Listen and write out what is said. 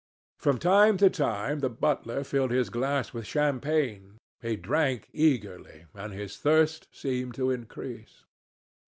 From time to time the butler filled his glass with champagne. He drank eagerly, and his thirst seemed to increase.